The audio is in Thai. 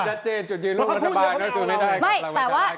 เพราะเขาพูดอยู่เขาไม่เอา